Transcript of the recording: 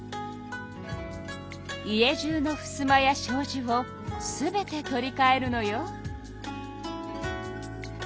家じゅうのふすまやしょうじを全て取りかえるのよ。